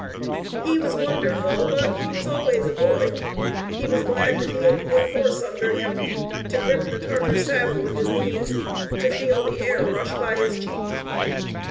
He was wonderful, but he was always a boy. He was glad to feel the good horse under him, to grip the Tartar saddle with his knees, to feel the air rush by his cheek.